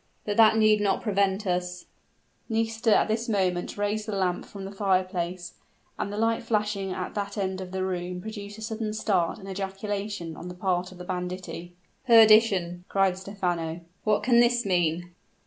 But that need not prevent us " Nisida at this moment raised the lamp from the fire place, and the light flashing at that end of the room, produced a sudden start and ejaculation on the part of the banditti. "Perdition!" cried Stephano, "what can this mean?"